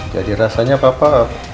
jadi rasanya papa